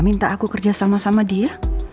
minta aku kerja sama sama dia